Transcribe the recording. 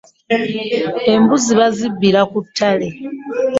Embuzi bazibbira ku ttale.